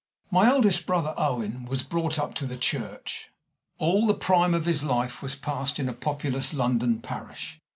My eldest brother, Owen, was brought up to the Church. All the prime of his life was passed in a populous London parish.